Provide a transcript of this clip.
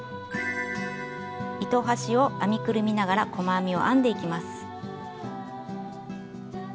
糸端を編みくるみながら細編みを編んでいきます。